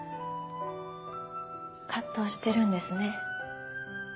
藤してるんですね。